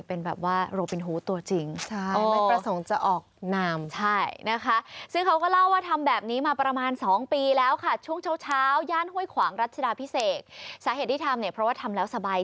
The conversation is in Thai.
เป็นแบบว่าโรบินฮูตัวจริง